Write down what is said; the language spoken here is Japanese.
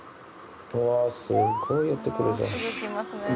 うわすごい寄ってくるじゃん。